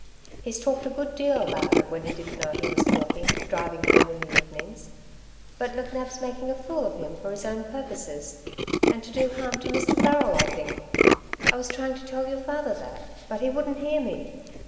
He's talked a good deal about it when he didn't know he was talking, driving home in the evenings. But McNab's making a fool of him for his own purposes, and to do harm to Mr. Farrel, I think. I was trying to tell your father that, but he wouldn't hear me.